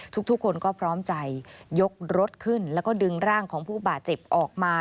ทุกคนก็พร้อมใจยกรถขึ้นแล้วก็ดึงร่างของผู้บาดเจ็บออกมา